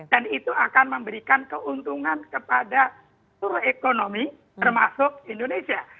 dan itu akan memberikan keuntungan kepada tur ekonomi termasuk indonesia